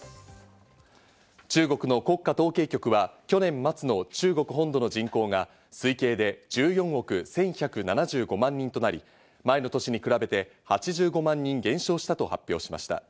中国の国家統計局は去年末の中国本土の人口が推計で１４億１１７５万人となり、前の年に比べて８５万人減少したと発表しました。